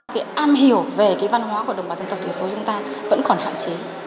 cái am hiểu về cái văn hóa của đồng bào dân tộc thiểu số chúng ta vẫn còn hạn chế